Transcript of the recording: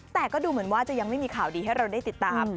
แต่ก็ดูเหมือนว่าจะยังไม่มีข่าวดีให้เราได้ติดตาม